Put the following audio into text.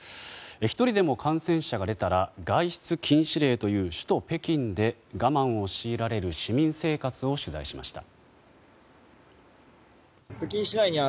１人でも感染者が出たら外出禁止令という首都・北京で我慢を強いられる市民生活を取材しました。